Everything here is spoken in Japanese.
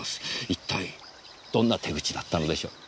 一体どんな手口だったのでしょう？